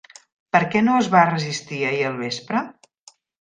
Per què no es va resistir ahir al vespre?